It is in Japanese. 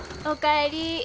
お帰り。